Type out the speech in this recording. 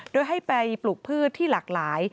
โดยให้ไปปลูกพืชที่หลากหลาย